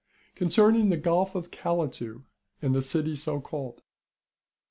Concerning the Gulf of Calatu and the City so called.